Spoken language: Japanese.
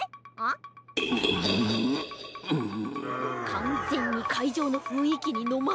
かんぜんにかいじょうのふんいきにのまれてるな。